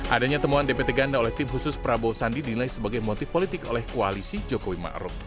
adanya temuan dpt ganda oleh tim khusus prabowo sandi dinilai sebagai motif politik oleh koalisi jokowi ⁇ maruf ⁇